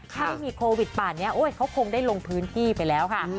ถ้าไม่มีโควิดป่านนี้เขาคงได้ลงพื้นที่ไปแล้วค่ะ